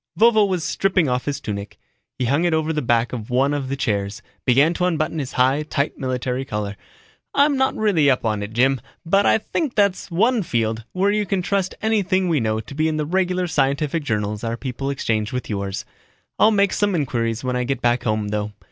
Vovo was stripping off his tunic. He hung it over the back of one of the chairs, began to unbutton his high, tight military collar. "I'm not really up on it, Jim, but I think that's one field where you can trust anything we know to be in the regular scientific journals our people exchange with yours. I'll make some inquiries when I get back home, though.